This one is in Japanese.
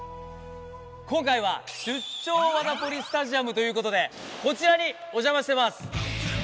今回は出張ワダポリスタジアムということでこちらにお邪魔してます。